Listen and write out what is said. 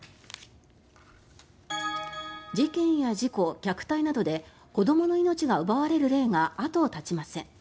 事件や事故、虐待などで子どもの命が奪われる例が後を絶ちません。